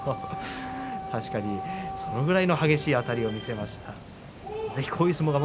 確かにそのぐらい激しいあたりでした。